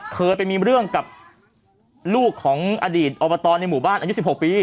เคยไปมีเรื่องกับลูกของอดีตอบตในหมู่บ้านอายุ๑๖ปี